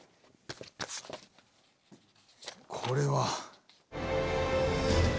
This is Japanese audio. これは！